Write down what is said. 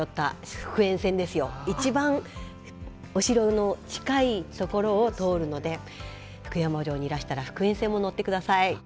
一番お城の近い所を通るので福山城にいらしたら福塩線も乗ってください。